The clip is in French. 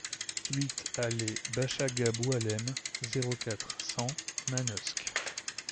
huit allée Bachagha Boualem, zéro quatre, cent Manosque